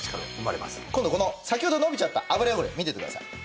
今度この先ほど伸びちゃった脂汚れ見ててください。